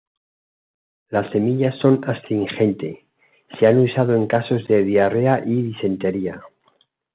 Las semillas son astringente, se han usado en casos de diarrea y disentería.